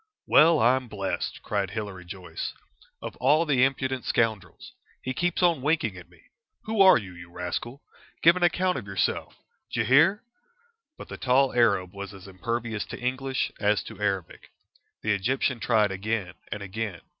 "Well, I'm blessed!" cried Hilary Joyce. "Of all the impudent scoundrels! He keeps on winking at me. Who are you, you rascal? Give an account of yourself! D'ye hear?" But the tall Arab was as impervious to English as to Arabic. The Egyptian tried again and again.